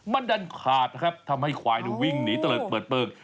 มันดันขาดครับทำให้ควายวิ่งหนีเตลิดเปิดเปลือง